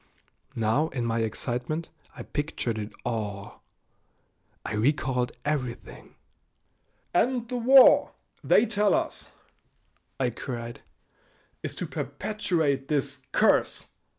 Now in my excitement I pictured it all. I recalled everything. "And the war, they tell us," I cried, "is to perpetuate this curse!"